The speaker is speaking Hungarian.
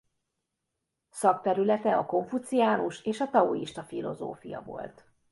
Szakterülete a konfuciánus és a taoista filozófia volt.